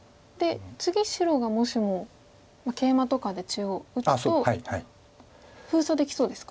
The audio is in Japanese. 次白がもしもケイマとかで中央打つと封鎖できそうですか。